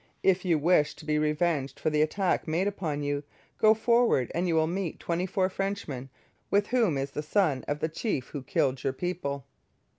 If you wish to be revenged for the attack made upon you, go forward and you will meet twenty four Frenchman, with whom is the son of the chief who killed your people.'